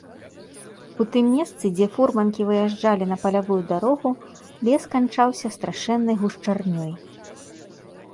У тым месцы, дзе фурманкі выязджалі на палявую дарогу, лес канчаўся страшэннай гушчарнёй.